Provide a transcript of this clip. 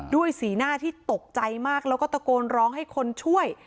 สีหน้าที่ตกใจมากแล้วก็ตะโกนร้องให้คนช่วย